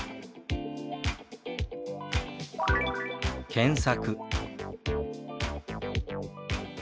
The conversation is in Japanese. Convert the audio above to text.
「検索」。